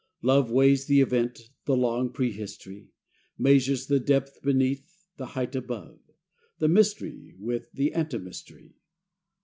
Love weighs the event, the long pre history, Measures the depth beneath, the height above, The mystery, with the ante mystery.